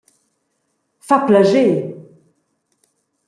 Fa plascher.